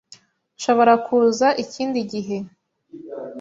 Nshobora kuza ikindi gihe?